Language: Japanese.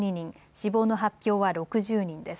死亡の発表は６０人です。